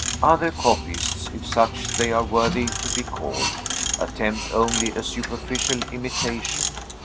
Other copyists if such they are worthy to be called attempt only a superficial imitation.